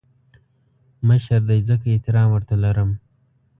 مشر دی ځکه احترام ورته لرم